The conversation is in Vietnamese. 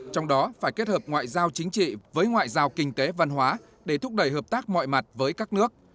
trong đó phải kết hợp ngoại giao chính trị với ngoại giao kinh tế văn hóa để thúc đẩy hợp tác mọi mặt với các nước